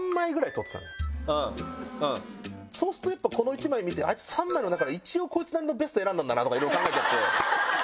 そうするとやっぱこの１枚見てあいつ３枚の中から一応こいつなりのベスト選んだんだなとかいろいろ考えちゃって。